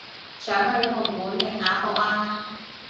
想去紅館定亞博啊